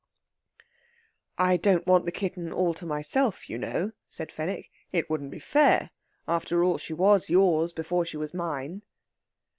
"I don't want the kitten all to myself, you know," said Fenwick. "It wouldn't be fair. After all, she was yours before she was mine."